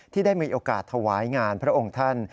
ที่ได้มีโอกาสถวายงานพระองค์ท่าน